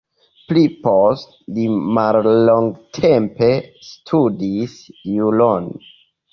Pli poste li mallongtempe studis juron.